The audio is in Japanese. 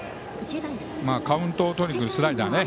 カウントをとるスライダーね。